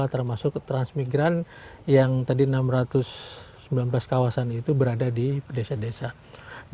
termasuk transmigran yang tadi enam ratus sembilan belas kawasan itu berada di desa desa